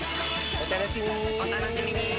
お楽しみに。